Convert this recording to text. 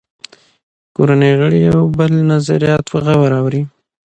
کورنۍ غړي د یو بل نظریات په غور اوري